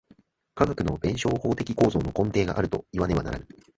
科学の弁証法的構造の根底があるといわねばならぬ。